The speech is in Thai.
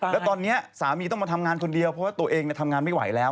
แล้วตอนนี้สามีต้องมาทำงานคนเดียวเพราะว่าตัวเองทำงานไม่ไหวแล้ว